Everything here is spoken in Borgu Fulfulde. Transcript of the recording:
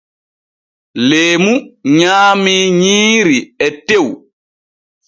Leemu nyaamii nyiiri e tew.